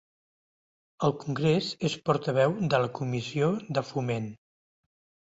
Al Congrés és portaveu de la Comissió de Foment.